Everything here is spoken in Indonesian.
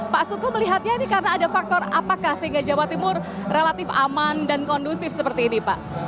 pak suko melihatnya ini karena ada faktor apakah sehingga jawa timur relatif aman dan kondusif seperti ini pak